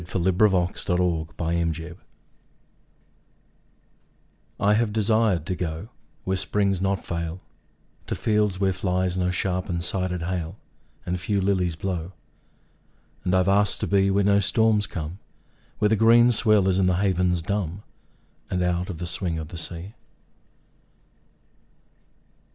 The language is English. HOPWOOD I HAVE DESIRED TO GO I HAVE desired to go Where springs not fail, To fields where flies no sharp and sided hail, And a few lilies blow. And I have asked to be Where no storms come, Where the green swell is in the havens dumb, And out of the swing of the sea.